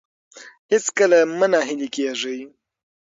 هېڅکله مه ناهیلي کیږئ.